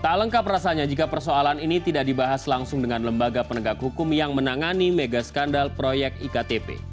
tak lengkap rasanya jika persoalan ini tidak dibahas langsung dengan lembaga penegak hukum yang menangani mega skandal proyek iktp